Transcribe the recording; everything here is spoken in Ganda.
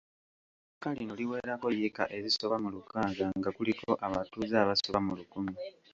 Ettaka lino liwerako yiika ezisoba mu lukaaga nga kuliko abatuuze abasoba mu lukumi